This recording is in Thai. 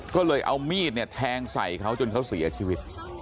ก็เลยเอามีดเนี่ยแทงใส่เขาจนเขาเสียชีวิต